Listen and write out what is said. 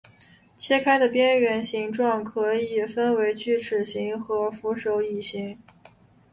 切开的边缘形状可以分为锯齿形和扶手椅形。